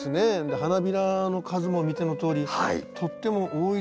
花びらの数も見てのとおりとっても多いですし。